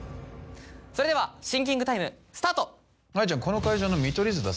それではシンキングタイムスタート。